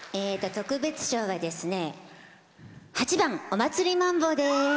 特別賞は８番「お祭りマンボ」です。